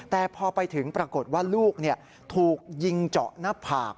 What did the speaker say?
แต่พอไปถึงปรากฏว่าลูกถูกยิงเจาะหน้าผาก